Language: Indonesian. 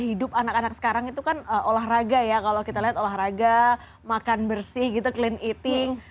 hidup anak anak sekarang itu kan olahraga ya kalau kita lihat olahraga makan bersih gitu clean eating